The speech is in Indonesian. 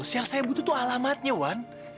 yang saya butuh tuh alamatnya wan